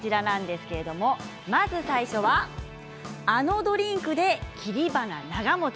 まず最初はあのドリンクで切り花長もち。